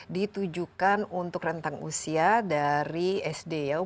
ditujukan untuk rentang usia dari sd ya